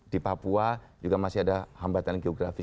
di papua juga masih ada hambatan geografi